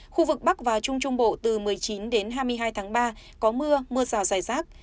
khu vực bắc và trung trung bộ từ một mươi chín đến hai mươi hai tháng ba có mưa mưa rào dài rác